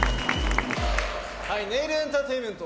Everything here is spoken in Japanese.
ネイルエンターテインメント！